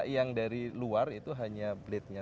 yang dari luar itu hanya blade nya